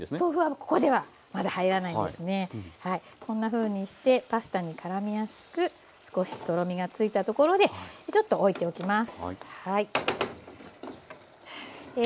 こんなふうにしてパスタにからみやすく少しとろみがついたところでちょっとおいておきます。